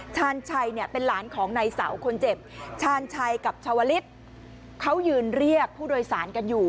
ชาญชัยเนี่ยเป็นหลานของในเสาคนเจ็บชาญชัยกับชาวลิศเขายืนเรียกผู้โดยสารกันอยู่